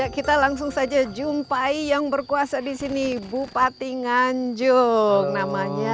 kita langsung saja jumpai yang berkuasa di sini bupati nganjuk namanya